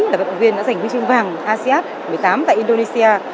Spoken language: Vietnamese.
là vận động viên đã giành huy chương vàng asean một mươi tám tại indonesia